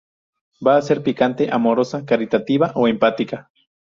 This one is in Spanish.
Va a ser paciente, amorosa, caritativa o empática.